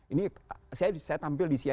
ini saya tampil di cnn nih maka referensi saya